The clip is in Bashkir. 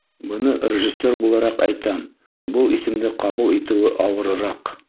Быны режиссер булараҡ әйтәм: был исемде ҡабул итеүе ауырыраҡ.